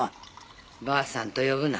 ばあさんと呼ぶな。